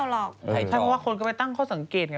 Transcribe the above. ใช่เพราะว่าคนไปตั้งเค้าสังเกตนะ